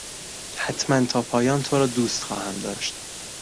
حتما تا پایان تو را دوست خواهم داشت.